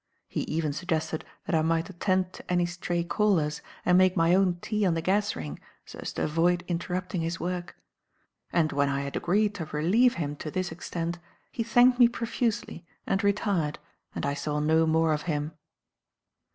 He even suggested that I might attend to any stray callers and make my own tea on the gas ring so as to avoid interrupting his work; and when I had agreed to relieve him to this extent, he thanked me profusely and retired and I saw no more of him.